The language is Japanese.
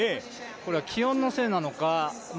これは気温のせいなのか。